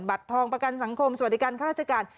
บัตรทองประกันสังคมสวัสดิการข้าราชการ